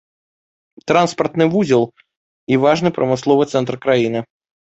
Транспартны вузел і важны прамысловы цэнтр краіны.